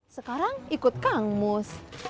sekarang ikut kang mus